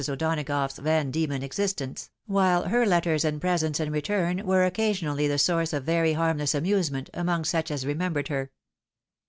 O'Donagough's Van Diemen existence, while her letters and presents in return were occa sionally the source of very harmless amusement among such as remembered her.